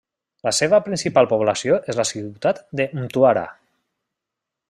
La seva principal població és la ciutat de Mtwara.